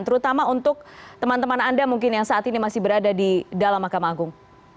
terutama untuk teman teman anda mungkin yang saat ini masih berada di dalam mahkamah agung